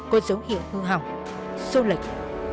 có dấu hiệu hư hỏng sô lịch